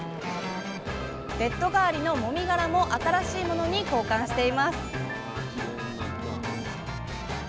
ベッド代わりのもみ殻も新しいものに交換しています